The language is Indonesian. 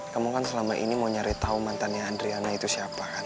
kamu kan selama ini mau nyari tahu mantannya andriana itu siapa kan